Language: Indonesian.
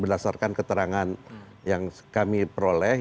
berdasarkan keterangan yang kami peroleh